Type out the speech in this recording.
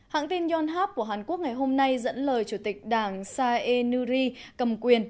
hãng tin yonhap của hàn quốc ngày hôm nay dẫn lời chủ tịch đảng sae nuri cầm quyền